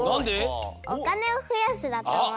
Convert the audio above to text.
おかねをふやすだとおもう。